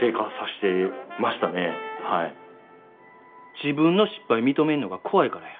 自分の失敗認めるの怖いからや。